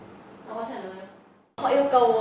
họ yêu cầu